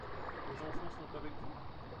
Vos enfants sont avec vous ?